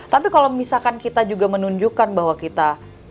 tapi kalau misalkan kita juga menunjukkan bahwa kita